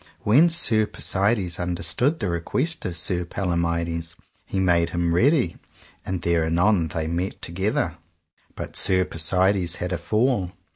When Sir Persides understood that request of Sir Palomides, he made him ready, and there anon they met together, but Sir Persides had a fall.